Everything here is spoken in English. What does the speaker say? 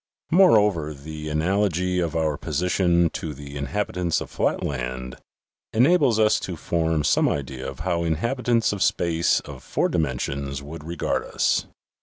Moreover, the analogy of our position to the inhabitants of flatland en 124 THE SEVEN FOLLIES OF SCIENCE ables us to form some idea of how inhabitants of space of four dimensions would regard us."